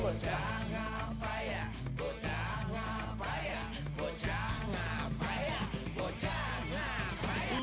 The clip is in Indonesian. bocah ngapain bocah ngapain bocah ngapain bocah ngapain